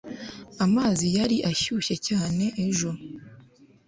amazi yari ashyushye cyane ejo